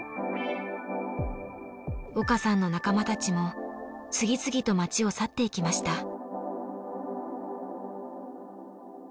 岡さんの仲間たちも次々と町を去っていきました。